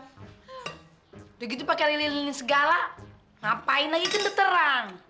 udah gitu pake lilin lilin segala ngapain lagi cenderterang